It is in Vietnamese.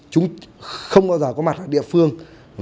chúng không bao giờ có mặt ở địa phương